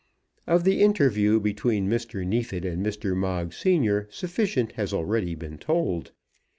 Of the interview between Mr. Neefit and Mr. Moggs senior sufficient has already been told.